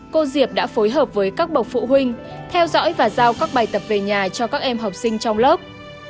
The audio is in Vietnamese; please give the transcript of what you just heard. cô diệp đã phối hợp với các bậc phụ huynh theo dõi và giao các bài tập về nhà cho các em học sinh trong lớp